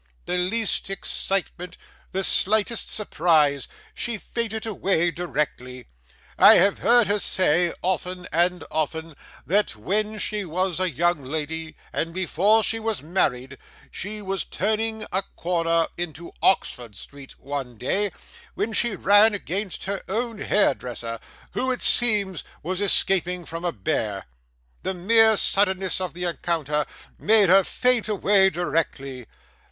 The least excitement, the slightest surprise she fainted away directly. I have heard her say, often and often, that when she was a young lady, and before she was married, she was turning a corner into Oxford Street one day, when she ran against her own hairdresser, who, it seems, was escaping from a bear; the mere suddenness of the encounter made her faint away directly.